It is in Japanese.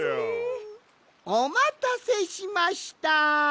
おまたせしました。